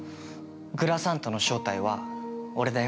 グラサンタの正体は俺だよ。